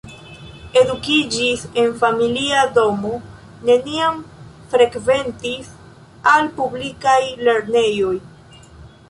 Edukiĝis en familia domo, neniam frekventis al publikaj lernejoj.